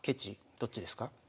どっちですか？